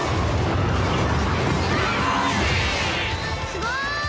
すごーい！